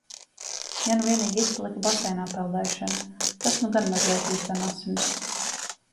Ja nu vienīgi izpalika baseinā peldēšana, tas nu gan mazliet uzdzen asinis.